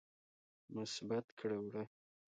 مثبت کړه وړه